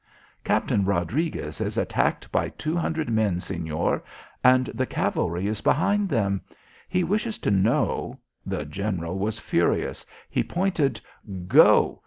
"Captain Rodriguez is attacked by two hundred men, señor, and the cavalry is behind them. He wishes to know " The general was furious; he pointed. "Go!